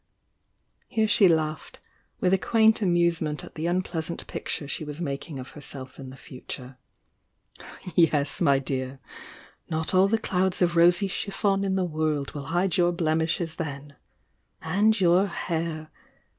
Here she laughed, with a quaint amusement at the unpleasant picture she was making of herself in the future. "Yes, my dear! Not all the clouds of rosy chiffon in the world will hide your blemishes then! — and your hair!